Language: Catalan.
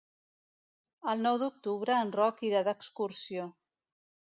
El nou d'octubre en Roc irà d'excursió.